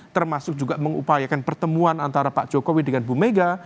termasuk juga mengupayakan pertemuan antara pak jokowi dengan bu mega